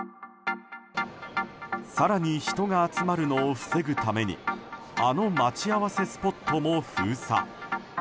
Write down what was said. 更に人が集まるのを防ぐためにあの待ち合わせスポットも封鎖。